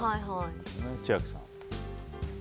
千秋さん。